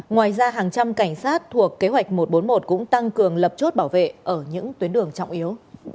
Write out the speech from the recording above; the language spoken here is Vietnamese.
ngoài ra hàng trăm cảnh sát thuộc kế hoạch một trăm bốn mươi một cũng tăng cường lập chốt bảo vệ ở những tuyến đường trọng yếu